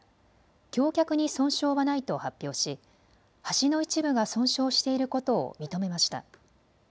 橋脚に損傷はないと発表し橋の一部が損傷していることを認めました。